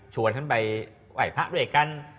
ท่านไปไหว้พระด้วยกัน